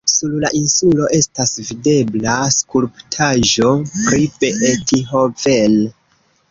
Sur la insulo estas videbla skulptaĵo pri Beethoven.